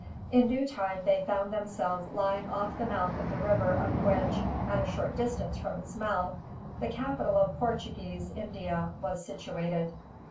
In due time they found themselves lying off the mouth of the river up which, at a short distance from its mouth, the capital of Portuguese India was situated.